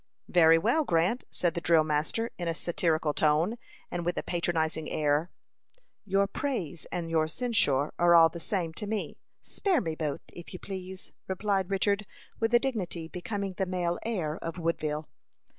"Very well, Grant," said the drill master, in a satirical tone, and with a patronizing air. "Your praise and your censure are all the same to me. Spare me both, if you please," replied Richard, with a dignity becoming the male heir of Woodville.